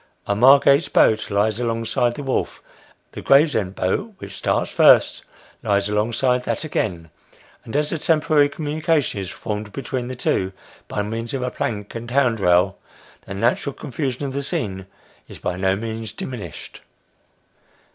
A Margate boat lies alongside the wharf, the Gravesend boat (which starts first) lies alongside that again ; and as a temporary communica tion is formed between the two, by means of a plank and hand rail, the natural confusion of the scene is by no means diminished.